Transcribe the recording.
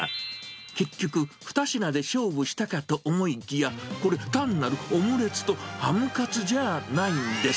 結局、２品で勝負したかと思いきや、これ、単なるオムレツとハムカツじゃあないんです。